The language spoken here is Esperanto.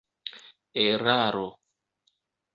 eraro